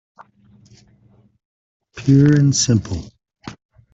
Pure and simple.